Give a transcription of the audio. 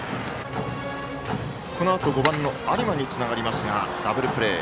このあと５番の有馬につながりますがダブルプレー。